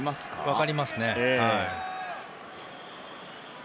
分かりますね。